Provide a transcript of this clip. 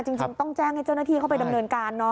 จริงต้องแจ้งให้เจ้าหน้าที่เข้าไปดำเนินการ